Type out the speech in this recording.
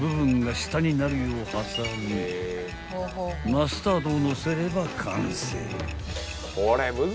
［マスタードをのせれば完成］